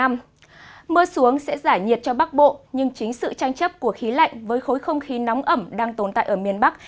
mưa xuống sẽ giải nhiệt cho bắc bộ nhưng chính sự tranh chấp của khí lạnh với khối không khí nóng ẩm đang tồn tại ở miền bắc